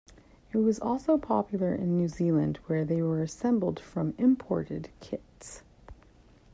It was also popular in New Zealand where they were assembled from imported kits.